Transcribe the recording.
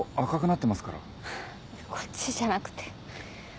こっちじゃなくて。